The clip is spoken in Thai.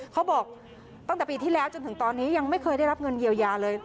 เขาบอกตั้งแต่ปีที่แล้วจนถึงตอนนี้ยังไม่เคยได้รับเงินเยียวยาเลย